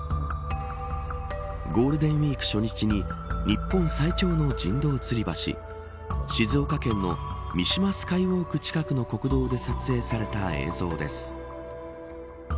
ゴールデンウイーク初日に日本最長の人道つり橋静岡県の三島スカイウォーク近くの国道で撮影された映像です。